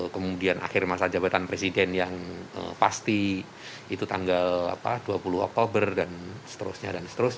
kemudian akhir masa jabatan presiden yang pasti itu tanggal dua puluh oktober dan seterusnya dan seterusnya